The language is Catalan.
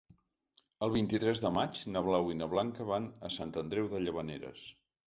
El vint-i-tres de maig na Blau i na Blanca van a Sant Andreu de Llavaneres.